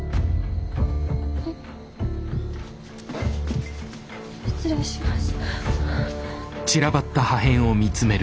はい失礼します。